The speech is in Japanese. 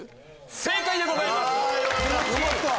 正解でございます。